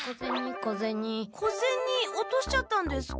小ゼニ落としちゃったんですか？